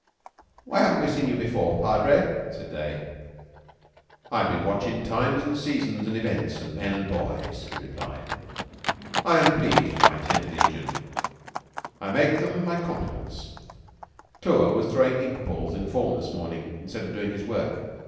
"Why haven't we seen you before, Padre?" said they. "I've been watching times and seasons and events and men and boys," he replied. "I am pleased with my Tenth Legion. I make them my compliments. Clewer was throwing ink balls in form this morning, instead of doing his work.